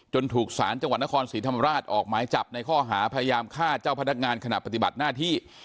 ถูกสารจังหวัดนครศรีธรรมราชออกหมายจับในข้อหาพยายามฆ่าเจ้าพนักงานขณะปฏิบัติหน้าที่